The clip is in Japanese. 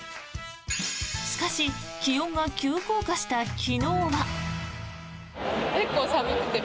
しかし気温が急降下した昨日は。